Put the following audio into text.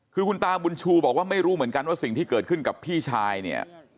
คือคุณตาบุญชูบอกว่าไม่รู้เหมือนกันว่าสิ่งที่เกิดขึ้นกับพี่ชายเนี่ย